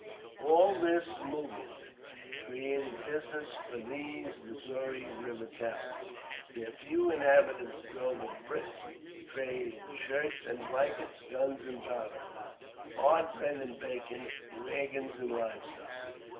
All this movement created business for these Missouri River towns. Their few inhabitants drove a brisk trade in shirts and blankets, guns and powder, hard bread and bacon, wagons and live stock.